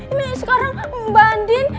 ini sekarang mbak andin